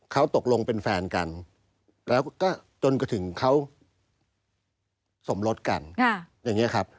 เขาตกลงเป็นแฟนกันแล้วก็จนกระถึงเขาสมรสกันอย่างนี้ครับ